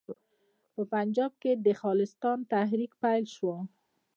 په پنجاب کې د خالصتان تحریک پیل شو.